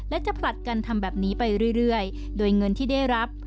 และจะผลัดกันทำแบบนี้ไปเรื่อยโดยเงินที่ได้รับ